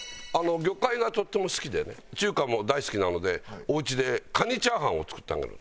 魚介がとっても好きでね中華も大好きなのでおうちでカニチャーハンを作ってあげるんです。